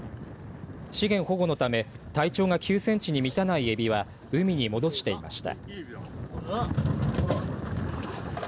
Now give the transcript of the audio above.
資源保護のため体長が９センチに満たないエビは海に戻していました。